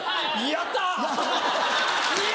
やった！